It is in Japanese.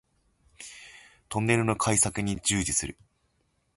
トンネルの開削に従事する